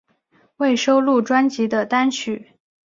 未收录专辑的单曲